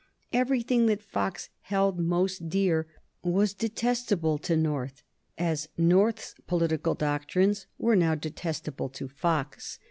Everything that Fox held most dear was detestable to North, as North's political doctrines were now detestable to Fox.